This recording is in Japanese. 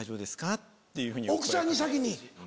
奥さんに先に。